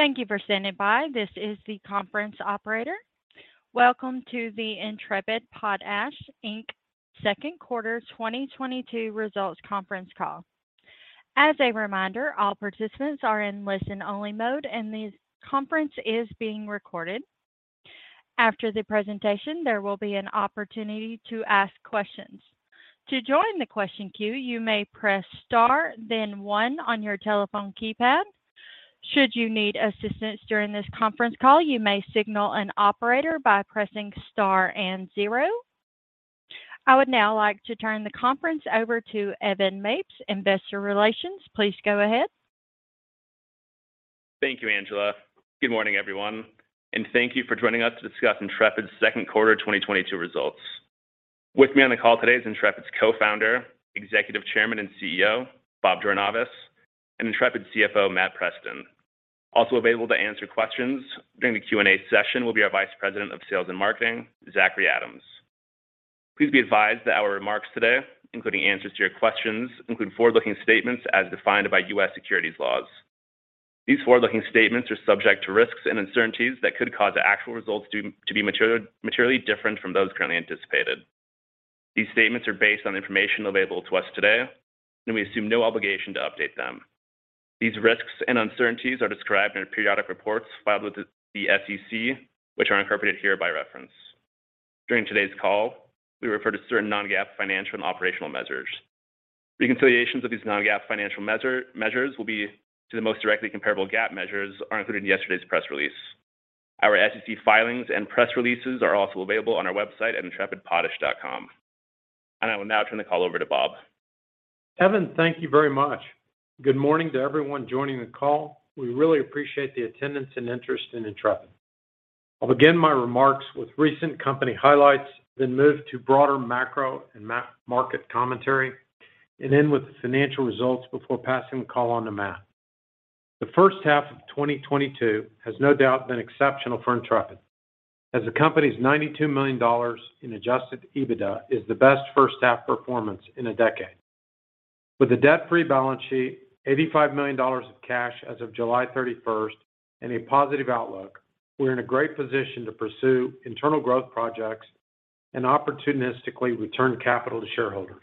Thank you for standing by. This is the conference operator. Welcome to the Intrepid Potash, Inc. second quarter 2022 results conference call. As a reminder, all participants are in listen-only mode, and the conference is being recorded. After the presentation, there will be an opportunity to ask questions. To join the question queue, you may press star, then one on your telephone keypad. Should you need assistance during this conference call, you may signal an operator by pressing star and zero. I would now like to turn the conference over to Evan Mapes, Investor Relations. Please go ahead. Thank you, Angela. Good morning, everyone, and thank you for joining us to discuss Intrepid's second quarter 2022 results. With me on the call today is Intrepid's Co-founder, Executive Chairman, and CEO, Bob Jornayvaz, and Intrepid CFO, Matt Preston. Also available to answer questions during the Q&A session will be our Vice President of Sales and Marketing, Zachry Adams. Please be advised that our remarks today, including answers to your questions, include forward-looking statements as defined by U.S. securities laws. These forward-looking statements are subject to risks and uncertainties that could cause the actual results to be materially different from those currently anticipated. These statements are based on information available to us today, and we assume no obligation to update them. These risks and uncertainties are described in periodic reports filed with the SEC, which are incorporated here by reference. During today's call, we refer to certain non-GAAP financial and operational measures. Reconciliations of these non-GAAP financial measures to the most directly comparable GAAP measures are included in yesterday's press release. Our SEC filings and press releases are also available on our website at intrepidpotash.com. I will now turn the call over to Bob. Evan, thank you very much. Good morning to everyone joining the call. We really appreciate the attendance and interest in Intrepid. I'll begin my remarks with recent company highlights, then move to broader macro and market commentary, and end with the financial results before passing the call on to Matt. The first half of 2022 has no doubt been exceptional for Intrepid as the company's $92 million in adjusted EBITDA is the best first half performance in a decade. With a debt-free balance sheet, $85 million of cash as of July 31, and a positive outlook, we're in a great position to pursue internal growth projects and opportunistically return capital to shareholders.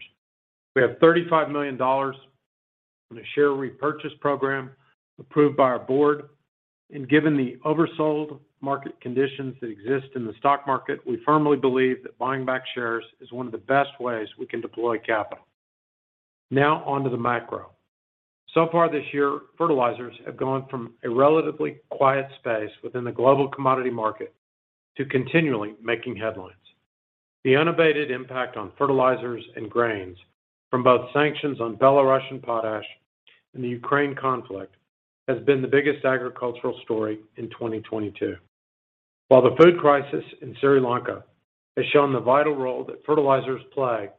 We have $35 million in a share repurchase program approved by our board, and given the oversold market conditions that exist in the stock market, we firmly believe that buying back shares is one of the best ways we can deploy capital. Now onto the macro. So far this year, fertilizers have gone from a relatively quiet space within the global commodity market to continually making headlines. The unabated impact on fertilizers and grains from both sanctions on Belarusian potash and the Ukraine conflict has been the biggest agricultural story in 2022. While the food crisis in Sri Lanka has shown the vital role that fertilizers play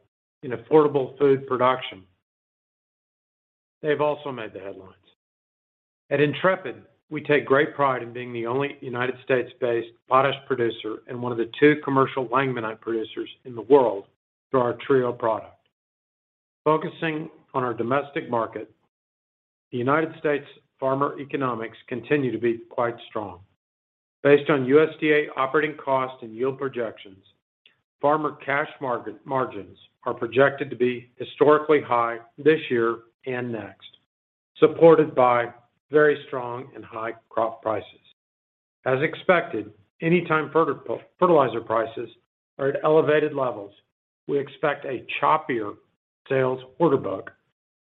in affordable food production, they've also made the headlines. At Intrepid, we take great pride in being the only United States-based potash producer and one of the two commercial langbeinite producers in the world through our Trio product. Focusing on our domestic market, the United States farmer economics continue to be quite strong. Based on USDA operating cost and yield projections, farmer cash margins are projected to be historically high this year and next, supported by very strong and high crop prices. As expected, any time fertilizer prices are at elevated levels, we expect a choppier sales order book,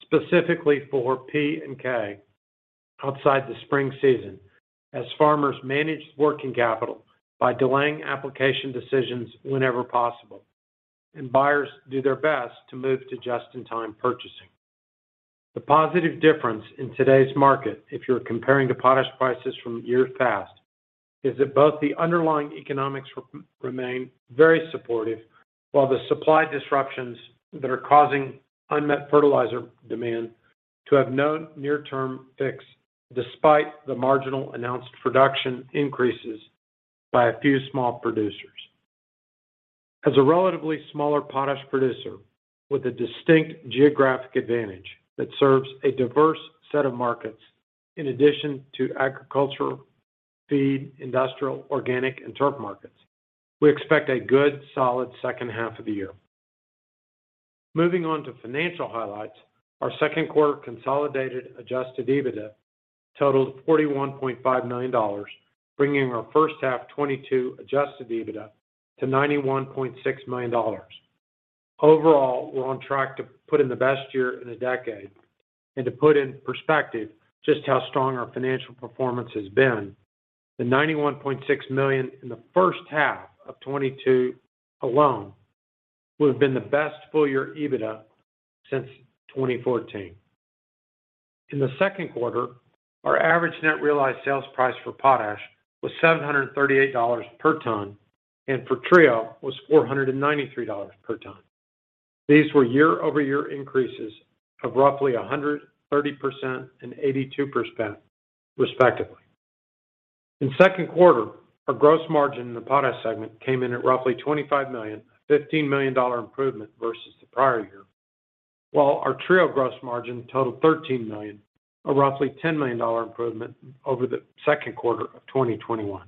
specifically for P&K outside the spring season, as farmers manage working capital by delaying application decisions whenever possible, and buyers do their best to move to just-in-time purchasing. The positive difference in today's market, if you're comparing to potash prices from years past, is that both the underlying economics remain very supportive, while the supply disruptions that are causing unmet fertilizer demand to have no near-term fix despite the marginal announced production increases by a few small producers. As a relatively smaller potash producer with a distinct geographic advantage that serves a diverse set of markets in addition to agriculture, feed, industrial, organic, and turf markets, we expect a good, solid second half of the year. Moving on to financial highlights, our second quarter consolidated adjusted EBITDA totaled $41.5 million, bringing our first half 2022 adjusted EBITDA to $91.6 million. Overall, we're on track to put in the best year in a decade, and to put in perspective just how strong our financial performance has been, the $91.6 million in the first half of 2022 alone would have been the best full year EBITDA since 2014. In the second quarter, our average net realized sales price for potash was $738 per ton, and for Trio was $493 per ton. These were year-over-year increases of roughly 130% and 82% respectively. In second quarter, our gross margin in the potash segment came in at roughly $25 million, a $15 million improvement versus the prior year. While our Trio gross margin totaled $13 million, a roughly $10 million improvement over the second quarter of 2021.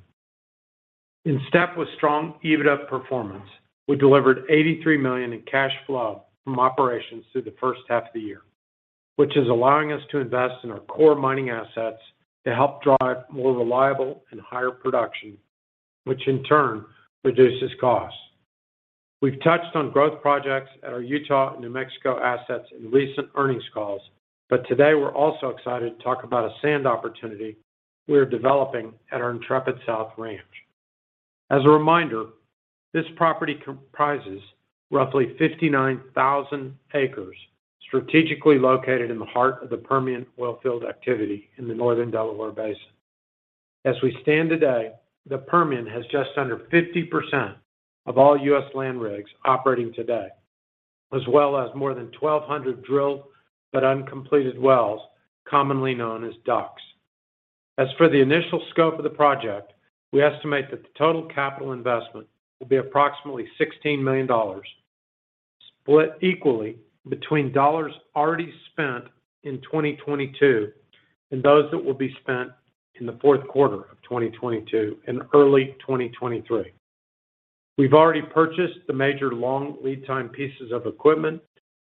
In step with strong EBITDA performance, we delivered $83 million in cash flow from operations through the first half of the year, which is allowing us to invest in our core mining assets to help drive more reliable and higher production, which in turn reduces costs. We've touched on growth projects at our Utah and New Mexico assets in recent earnings calls, but today we're also excited to talk about a sand opportunity we are developing at our Intrepid South Ranch. As a reminder, this property comprises roughly 59,000 acres strategically located in the heart of the Permian oil field activity in the Northern Delaware Basin. As we stand today, the Permian has just under 50% of all U.S. land rigs operating today, as well as more than 1,200 drilled but uncompleted wells, commonly known as DUCs. As for the initial scope of the project, we estimate that the total capital investment will be approximately $16 million, split equally between dollars already spent in 2022 and those that will be spent in the fourth quarter of 2022 and early 2023. We've already purchased the major long lead time pieces of equipment,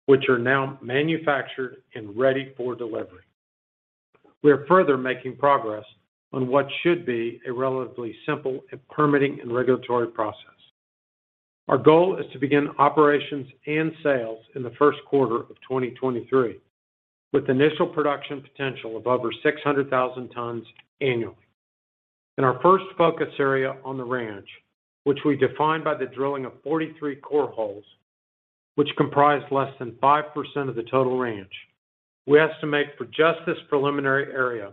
which are now manufactured and ready for delivery. We are further making progress on what should be a relatively simple permitting and regulatory process. Our goal is to begin operations and sales in the first quarter of 2023, with initial production potential of over 600,000 tons annually. In our first focus area on the ranch, which we defined by the drilling of 43 core holes, which comprise less than 5% of the total ranch, we estimate for just this preliminary area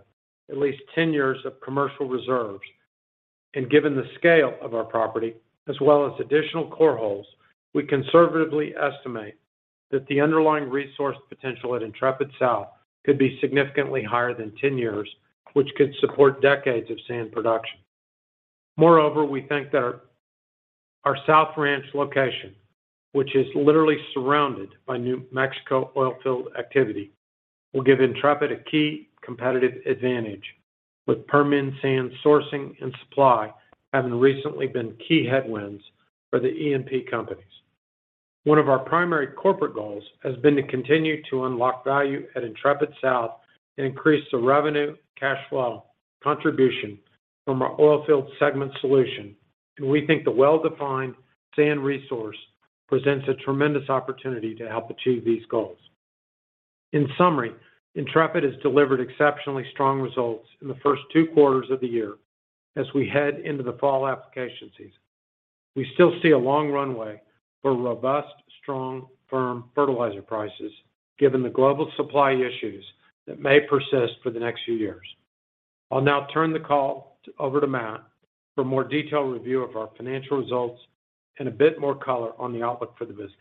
at least 10 years of commercial reserves. Given the scale of our property as well as additional core holes, we conservatively estimate that the underlying resource potential at Intrepid South could be significantly higher than 10 years, which could support decades of sand production. Moreover, we think that our South Ranch location, which is literally surrounded by New Mexico oil field activity, will give Intrepid a key competitive advantage with Permian sand sourcing and supply having recently been key headwinds for the E&P companies. One of our primary corporate goals has been to continue to unlock value at Intrepid South and increase the revenue cash flow contribution from our oil field segment solution, and we think the well-defined sand resource presents a tremendous opportunity to help achieve these goals. In summary, Intrepid has delivered exceptionally strong results in the first two quarters of the year as we head into the fall application season. We still see a long runway for robust, strong, firm fertilizer prices given the global supply issues that may persist for the next few years. I'll now turn the call over to Matt for more detailed review of our financial results and a bit more color on the outlook for the business.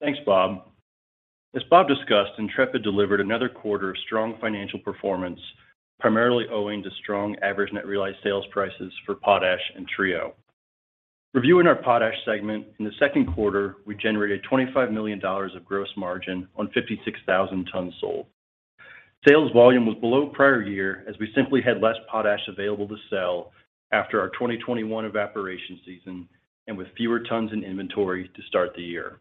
Thanks, Bob. As Bob discussed, Intrepid delivered another quarter of strong financial performance, primarily owing to strong average net realized sales prices for potash and Trio. Reviewing our potash segment, in the second quarter, we generated $25 million of gross margin on 56,000 tons sold. Sales volume was below prior year as we simply had less potash available to sell after our 2021 evaporation season and with fewer tons in inventory to start the year.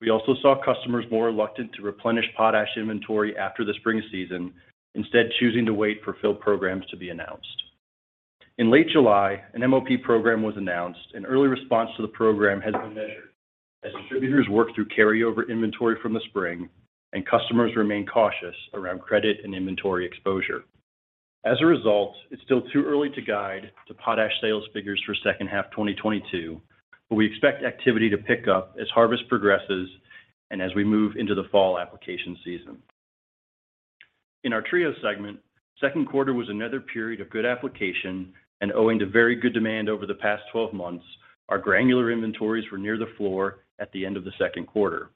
We also saw customers more reluctant to replenish potash inventory after the spring season, instead choosing to wait for fill programs to be announced. In late July, an MOP program was announced, and early response to the program has been measured as distributors work through carryover inventory from the spring and customers remain cautious around credit and inventory exposure. As a result, it's still too early to guide the potash sales figures for second half 2022, but we expect activity to pick up as harvest progresses and as we move into the fall application season. In our Trio segment, second quarter was another period of good application, and owing to very good demand over the past 12 months, our granular inventories were near the floor at the end of the second quarter.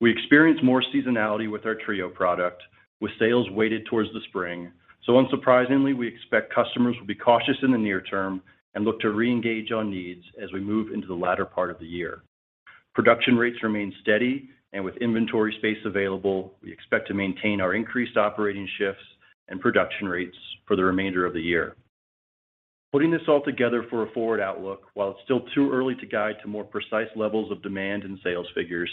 We experienced more seasonality with our Trio product, with sales weighted towards the spring. Unsurprisingly, we expect customers will be cautious in the near term and look to reengage on needs as we move into the latter part of the year. Production rates remain steady and with inventory space available, we expect to maintain our increased operating shifts and production rates for the remainder of the year. Putting this all together for a forward outlook, while it's still too early to guide to more precise levels of demand and sales figures,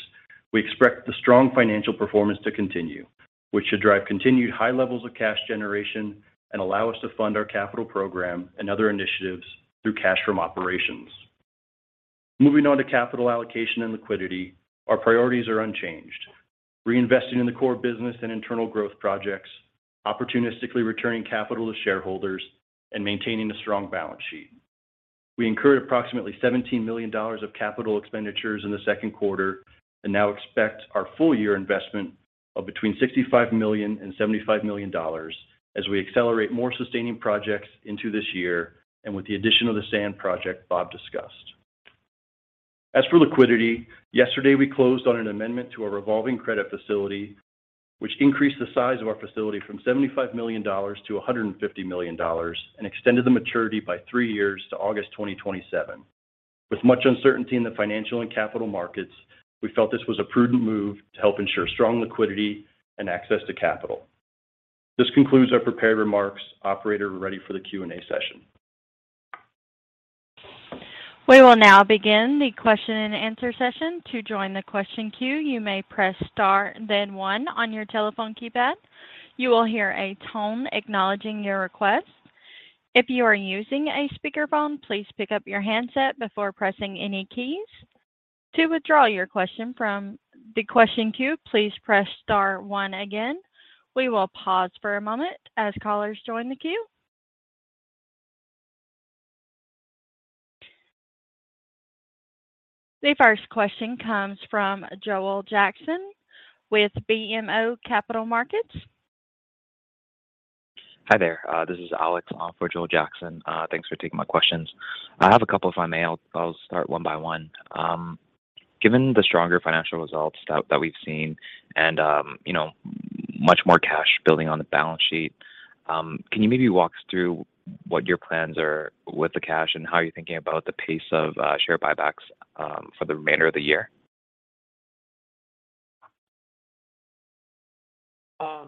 we expect the strong financial performance to continue, which should drive continued high levels of cash generation and allow us to fund our capital program and other initiatives through cash from operations. Moving on to capital allocation and liquidity, our priorities are unchanged. Reinvesting in the core business and internal growth projects, opportunistically returning capital to shareholders, and maintaining a strong balance sheet. We incurred approximately $17 million of capital expenditures in the second quarter and now expect our full year investment of between $65 million and $75 million as we accelerate more sustaining projects into this year and with the addition of the sand project Bob discussed. As for liquidity, yesterday we closed on an amendment to our revolving credit facility, which increased the size of our facility from $75 million to $150 million, and extended the maturity by three years to August 2027. With much uncertainty in the financial and capital markets, we felt this was a prudent move to help ensure strong liquidity and access to capital. This concludes our prepared remarks. Operator, we're ready for the Q&A session. We will now begin the question and answer session. To join the question queue, you may press star then one on your telephone keypad. You will hear a tone acknowledging your request. If you are using a speakerphone, please pick up your handset before pressing any keys. To withdraw your question from the question queue, please press star one again. We will pause for a moment as callers join the queue. The first question comes from Joel Jackson with BMO Capital Markets. Hi there. This is Alex on for Joel Jackson. Thanks for taking my questions. I have a couple, if I may. I'll start one by one. Given the stronger financial results that we've seen and, you know, much more cash building on the balance sheet, can you maybe walk us through what your plans are with the cash and how you're thinking about the pace of share buybacks for the remainder of the year? I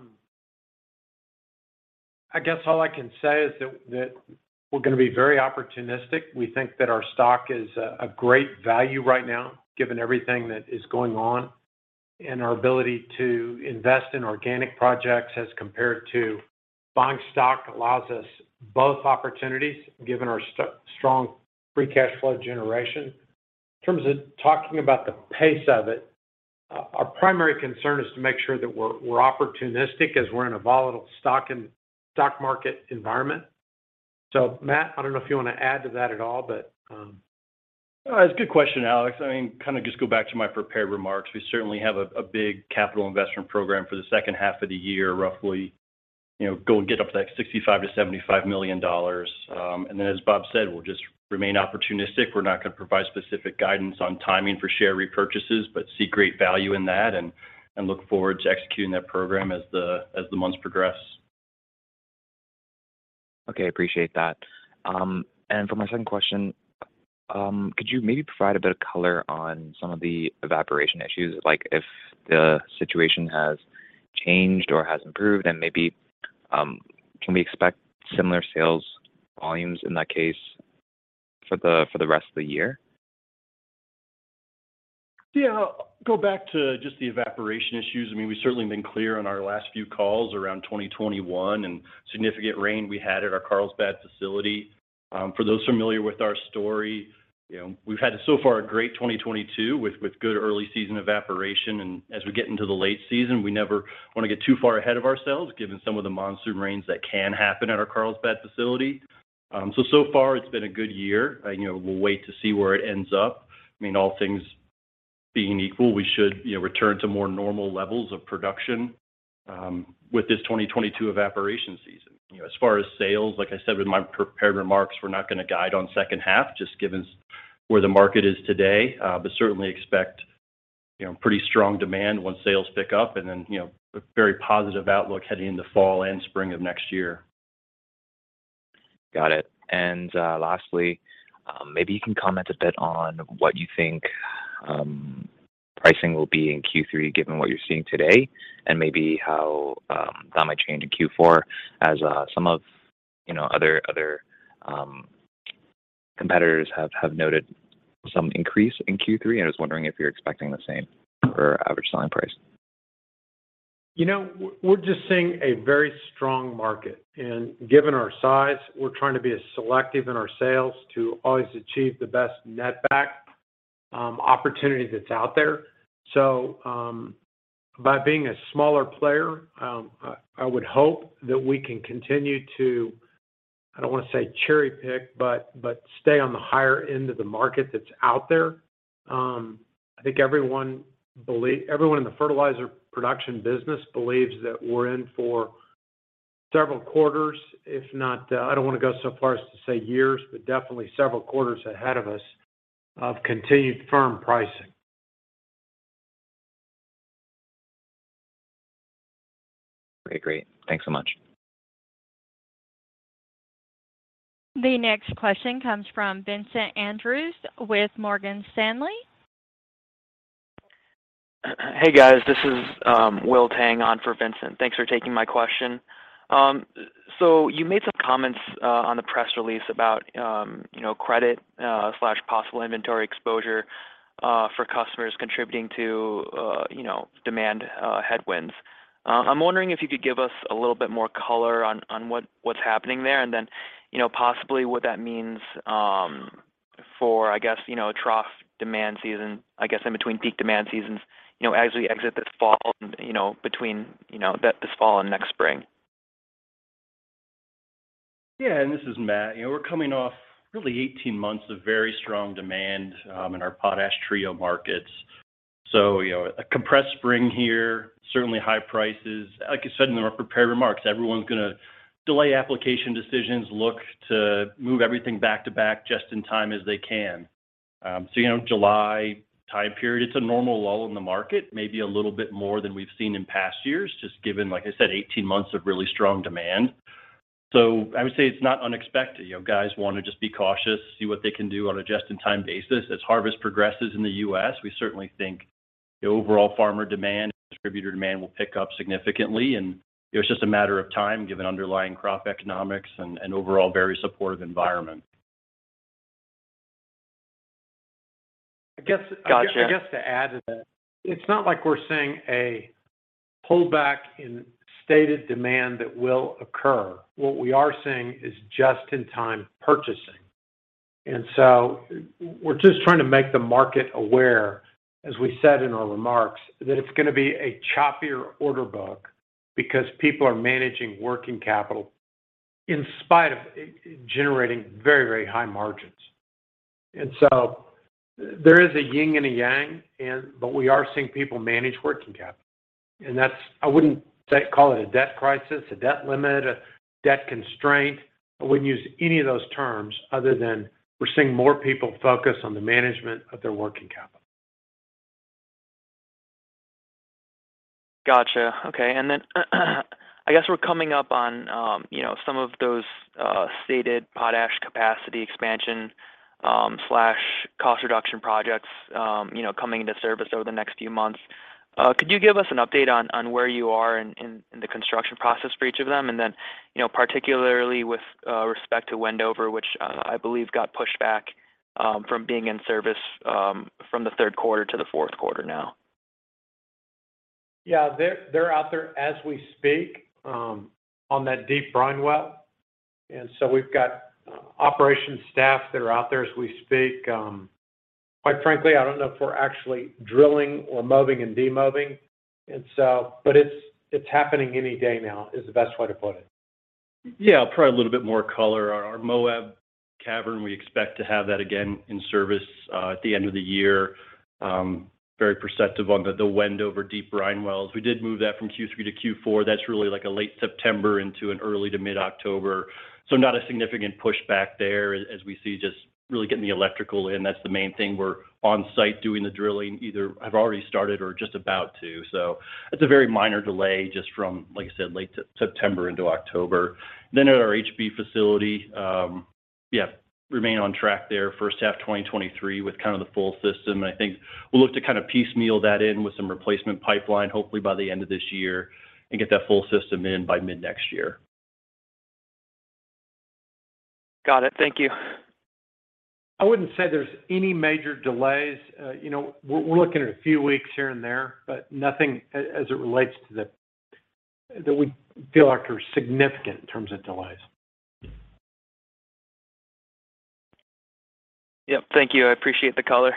guess all I can say is that we're gonna be very opportunistic. We think that our stock is a great value right now given everything that is going on, and our ability to invest in organic projects as compared to buying stock allows us both opportunities given our strong free cash flow generation. In terms of talking about the pace of it, our primary concern is to make sure that we're opportunistic as we're in a volatile stock market environment. Matt, I don't know if you wanna add to that at all, but. It's a good question, Alex. I mean, kinda just go back to my prepared remarks. We certainly have a big capital investment program for the second half of the year, roughly, you know, go and get up to that $65 million-$75 million. As Bob said, we'll just remain opportunistic. We're not gonna provide specific guidance on timing for share repurchases, but see great value in that and look forward to executing that program as the months progress. Okay. Appreciate that. For my second question, could you maybe provide a bit of color on some of the evaporation issues, like if the situation has changed or has improved? Maybe, can we expect similar sales volumes in that case for the rest of the year? Yeah. Go back to just the evaporation issues. I mean, we've certainly been clear on our last few calls around 2021 and significant rain we had at our Carlsbad facility. For those familiar with our story, you know, we've had so far a great 2022 with good early season evaporation, and as we get into the late season, we never wanna get too far ahead of ourselves given some of the monsoon rains that can happen at our Carlsbad facility. So far it's been a good year. You know, we'll wait to see where it ends up. I mean, all things being equal, we should, you know, return to more normal levels of production with this 2022 evaporation season. You know, as far as sales, like I said with my prepared remarks, we're not gonna guide on second half just given where the market is today. Certainly expect, you know, pretty strong demand once sales pick up and then, you know, a very positive outlook heading into fall and spring of next year. Got it. Lastly, maybe you can comment a bit on what you think pricing will be in Q3 given what you're seeing today, and maybe how that might change in Q4 as some of, you know, other competitors have noted some increase in Q3. I was wondering if you're expecting the same for average selling price. You know, we're just seeing a very strong market, and given our size, we're trying to be as selective in our sales to always achieve the best net back, opportunity that's out there. By being a smaller player, I would hope that we can continue to, I don't wanna say cherry-pick, but stay on the higher end of the market that's out there. I think everyone in the fertilizer production business believes that we're in for several quarters, if not, I don't wanna go so far as to say years, but definitely several quarters ahead of us of continued firm pricing. Okay. Great. Thanks so much. The next question comes from Vincent Andrews with Morgan Stanley. Hey, guys. This is Will Tang on for Vincent. Thanks for taking my question. So you made some comments on the press release about, you know, credit slash possible inventory exposure for customers contributing to, you know, demand headwinds. I'm wondering if you could give us a little bit more color on what's happening there and then, you know, possibly what that means for I guess, you know, a trough demand season, I guess in between peak demand seasons, you know, as we exit this fall, you know, between this fall and next spring. Yeah. This is Matt. You know, we're coming off really 18 months of very strong demand in our potash trio markets. You know, a compressed spring here, certainly high prices. Like I said in our prepared remarks, everyone's gonna delay application decisions, look to move everything back to back just in time as they can. You know, July time period, it's a normal lull in the market, maybe a little bit more than we've seen in past years, just given, like I said, 18 months of really strong demand. I would say it's not unexpected. You know, guys wanna just be cautious, see what they can do on a just-in-time basis. As harvest progresses in the U.S., we certainly think the overall farmer demand, distributor demand will pick up significantly, and it was just a matter of time, given underlying crop economics and overall very supportive environment. I guess- Gotcha. I guess to add to that, it's not like we're seeing a pullback in stated demand that will occur. What we are seeing is just-in-time purchasing. We're just trying to make the market aware, as we said in our remarks, that it's gonna be a choppier order book because people are managing working capital in spite of generating very, very high margins. There is a yin and yang, but we are seeing people manage working capital. That's—I wouldn't say, call it a debt crisis, a debt limit, a debt constraint. I wouldn't use any of those terms other than we're seeing more people focus on the management of their working capital. Gotcha. Okay. I guess we're coming up on, you know, some of those stated potash capacity expansion slash cost reduction projects, you know, coming into service over the next few months. Could you give us an update on where you are in the construction process for each of them? You know, particularly with respect to Wendover, which I believe got pushed back from being in service from the third quarter to the fourth quarter now. Yeah. They're out there as we speak on that deep brine well. We've got operations staff that are out there as we speak. Quite frankly, I don't know if we're actually drilling or mobilizing and demobilizing. It's happening any day now, is the best way to put it. Yeah. I'll provide a little bit more color. Our Moab cavern, we expect to have that again in service at the end of the year. Very perceptive on the Wendover deep brine wells. We did move that from Q3 to Q4. That's really like a late September into an early to mid-October. Not a significant pushback there as we see just really getting the electrical in. That's the main thing. We're on site doing the drilling, either have already started or just about to. It's a very minor delay just from, like I said, late September into October. At our HB facility, yeah, remain on track there, first half 2023 with kind of the full system. I think we'll look to kind of piecemeal that in with some replacement pipeline, hopefully by the end of this year, and get that full system in by mid-next year. Got it. Thank you. I wouldn't say there's any major delays. You know, we're looking at a few weeks here and there, but nothing as it relates to that we feel like are significant in terms of delays. Yep. Thank you. I appreciate the color.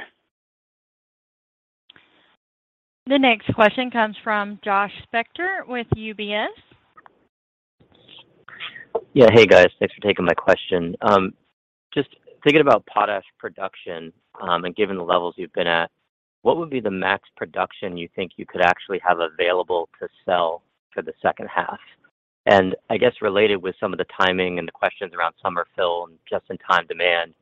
The next question comes from Josh Spector with UBS. Yeah. Hey, guys. Thanks for taking my question. Just thinking about potash production, and given the levels you've been at, what would be the max production you think you could actually have available to sell for the second half? I guess related with some of the timing and the questions around summer fill and just-in-time demand,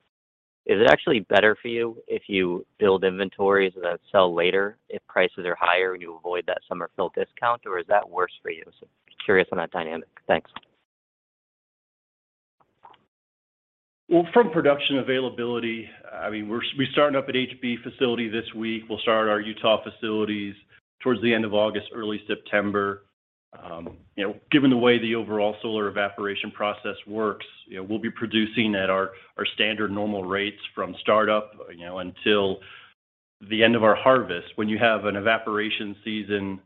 is it actually better for you if you build inventories that sell later if prices are higher and you avoid that summer fill discount, or is that worse for you? Curious on that dynamic. Thanks. Well, from production availability, I mean, we're starting up at HB facility this week. We'll start our Utah facilities towards the end of August, early September. You know, given the way the overall solar evaporation process works, you know, we'll be producing at our standard normal rates from startup, you know, until the end of our harvest. When you have an evaporation season,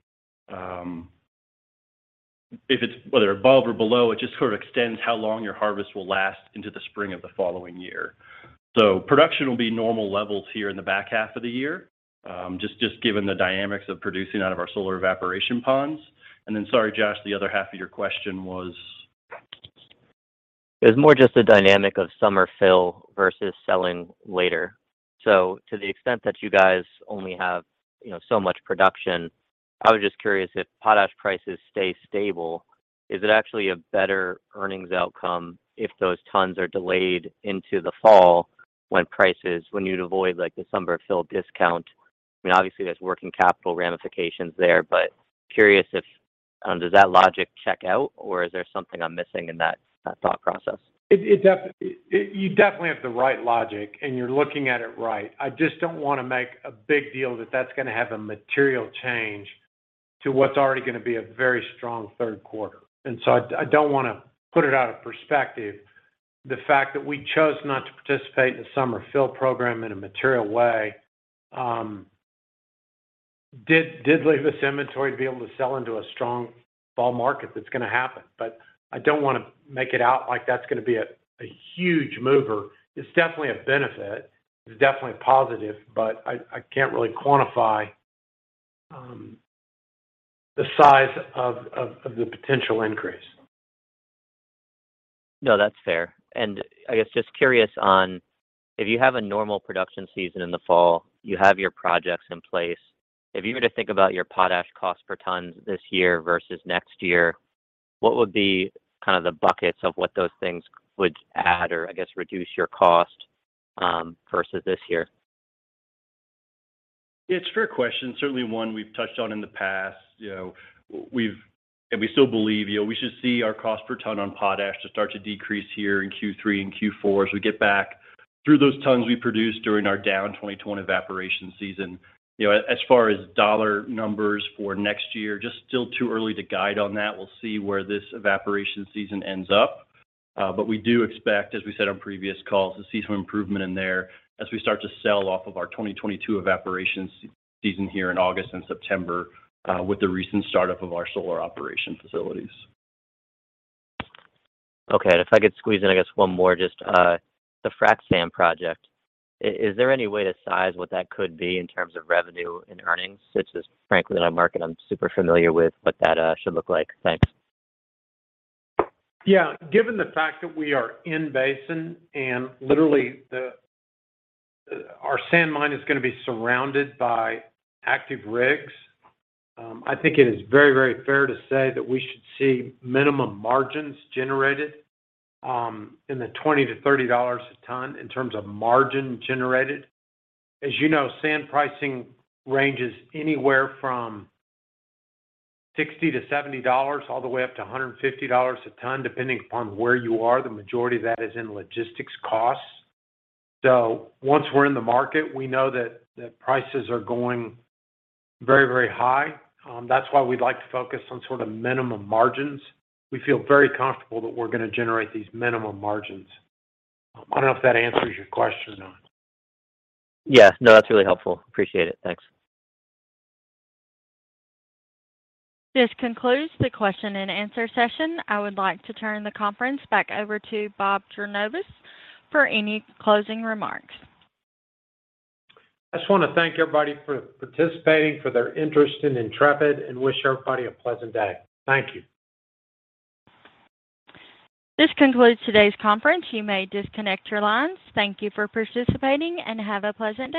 whether above or below, it just sort of extends how long your harvest will last into the spring of the following year. Production will be normal levels here in the back half of the year, just given the dynamics of producing out of our solar evaporation ponds. Then, sorry, Josh, the other half of your question was? It was more just the dynamic of summer fill versus selling later. To the extent that you guys only have, you know, so much production, I was just curious if potash prices stay stable, is it actually a better earnings outcome if those tons are delayed into the fall when you'd avoid, like, the summer fill discount? I mean, obviously, there's working capital ramifications there, but curious if, does that logic check out, or is there something I'm missing in that thought process? You definitely have the right logic, and you're looking at it right. I just don't wanna make a big deal that that's gonna have a material change to what's already gonna be a very strong third quarter. I don't wanna put it out of perspective. The fact that we chose not to participate in the summer fill program in a material way did leave us inventory to be able to sell into a strong fall market that's gonna happen. I don't wanna make it out like that's gonna be a huge mover. It's definitely a benefit. It's definitely a positive, but I can't really quantify the size of the potential increase. No, that's fair. I guess just curious on if you have a normal production season in the fall, you have your projects in place. If you were to think about your potash cost per tons this year versus next year. What would be kind of the buckets of what those things would add or I guess reduce your cost, versus this year? It's a fair question, certainly one we've touched on in the past. You know, we still believe, you know, we should see our cost per ton on potash to start to decrease here in Q3 and Q4 as we get back through those tons we produced during our down 2020 evaporation season. You know, as far as dollar numbers for next year, just still too early to guide on that. We'll see where this evaporation season ends up. We do expect, as we said on previous calls, to see some improvement in there as we start to sell off of our 2022 evaporation season here in August and September, with the recent startup of our solar evaporation facilities. Okay. If I could squeeze in, I guess one more, just, the frac sand project. Is there any way to size what that could be in terms of revenue and earnings, since it's frankly not a market I'm super familiar with what that should look like? Thanks. Yeah. Given the fact that we are in basin and literally the our sand mine is gonna be surrounded by active rigs, I think it is very, very fair to say that we should see minimum margins generated in the $20-$30 a ton in terms of margin generated. As you know, sand pricing ranges anywhere from $60-$70 all the way up to $150 a ton, depending upon where you are. The majority of that is in logistics costs. Once we're in the market, we know that prices are going very, very high. That's why we'd like to focus on sort of minimum margins. We feel very comfortable that we're gonna generate these minimum margins. I don't know if that answers your question or not. Yeah. No, that's really helpful. Appreciate it. Thanks. This concludes the question and answer session. I would like to turn the conference back over to Bob Jornayvaz for any closing remarks. I just wanna thank everybody for participating, for their interest in Intrepid, and wish everybody a pleasant day. Thank you. This concludes today's conference. You may disconnect your lines. Thank you for participating, and have a pleasant day.